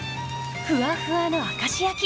ふわふわの明石焼き！